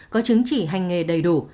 có chứng chỉ hành nghề đầy đủ